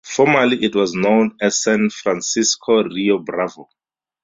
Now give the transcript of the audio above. Formerly it was known as San Francisco Rio Bravo.